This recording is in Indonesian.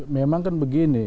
memang kan begini